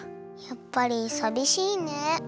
やっぱりさびしいね。